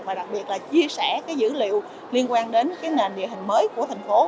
và đặc biệt là chia sẻ cái dữ liệu liên quan đến cái nền địa hình mới của thành phố